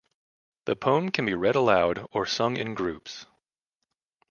The poem can be read aloud or sung in groups.